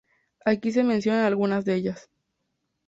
Aquí se mencionan algunas de ellas.